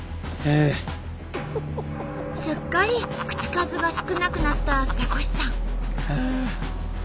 すっかり口数が少なくなったザコシさん。